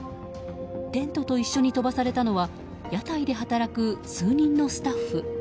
テントと一緒に飛ばされたのは屋台で働く数人のスタッフ。